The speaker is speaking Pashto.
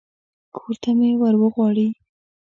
کور ته مې ور وغواړي.